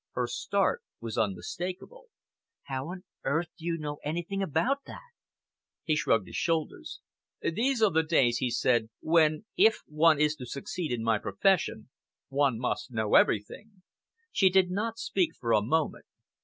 Her start was unmistakable. "How on earth do you know anything about that?" He shrugged his shoulders. "These are the days," he said, "when, if one is to succeed in my profession, one must know everything." She did not speak for a moment.